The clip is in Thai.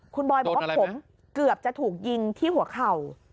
คุณบอยบอกว่าผมเกือบจะถูกยิงที่หัวเข่า